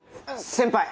先輩。